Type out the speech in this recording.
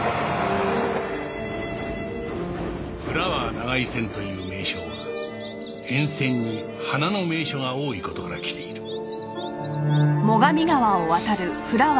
フラワー長井線という名称は沿線に花の名所が多い事からきている